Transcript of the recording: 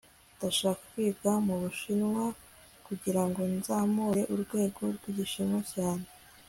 ndashaka kwiga mubushinwa kugirango nzamure urwego rwigishinwa cyanjye